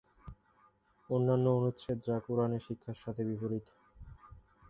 অন্যান্য অনুচ্ছেদ, যা কুরআনের শিক্ষার সাথে বিপরীত।